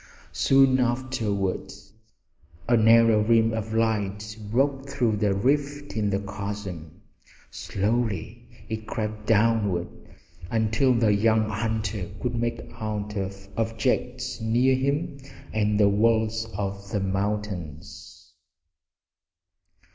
Soon afterward a narrow rim of light broke through the rift in the chasm. Slowly it crept downward, until the young hunter could make out objects near him and the walls of the mountains.